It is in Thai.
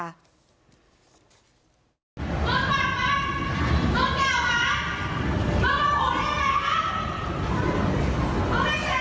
พนักงานในร้าน